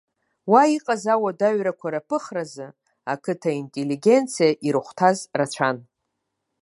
Уа иҟаз ауадаҩрақәа раԥыхразы ақыҭа интеллигенциа ирыхәҭаз рацәан.